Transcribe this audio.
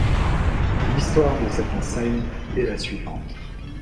L'histoire de cette enseigne est la suivante.